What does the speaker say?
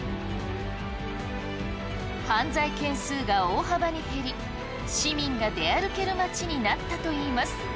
犯罪件数が大幅に減り市民が出歩ける街になったといいます！